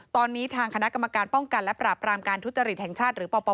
ตอนนี้ทางคณะกรรมการป้องกันและปราบรามการทุจริตแห่งชาติหรือปป